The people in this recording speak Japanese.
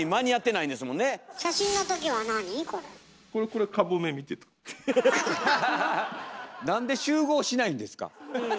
なんで集合しないんですか？